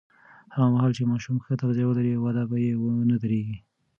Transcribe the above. هغه مهال چې ماشوم ښه تغذیه ولري، وده به یې ونه درېږي.